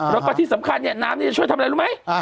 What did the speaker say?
แล้วก็ที่สำคัญเนี่ยน้ำจะช่วยทำอะไรรู้ไหม